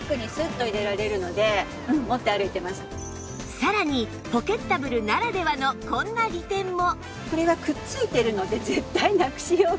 さらにポケッタブルならではのこんな利点も